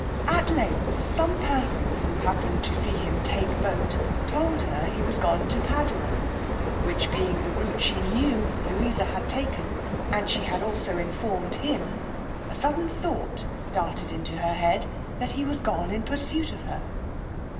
At length some person, who happened to see him take boat, told her he was gone to Padua, which being the rout she knew Louisa had taken, and she had also informed him, a sudden thought darted into her head that he was gone in pursuit of her.